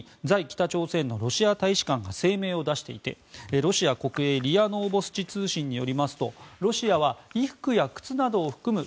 北朝鮮のロシア大使館が声明を出していてロシア国営ＲＩＡノーボスチ通信によりますとロシアは衣服や靴などを含む